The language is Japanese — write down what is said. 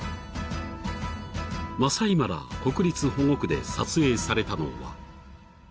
［マサイマラ国立保護区で撮影されたのは］